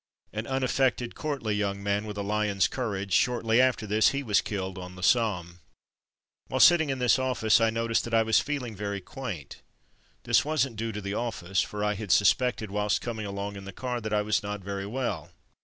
An unaffected, courtly young man, with a lion's courage; shortly after this he was killed on the Somme. While sitting in this office I noticed that I was feeling very quaint. This wasn't due to the office, for I had suspected, whilst coming along in the car, that I was not very well.